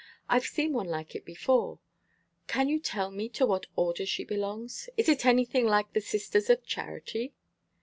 I've seen one like it before. Can you tell me to what order she belongs? Is it anything like the Sisters of Charity?"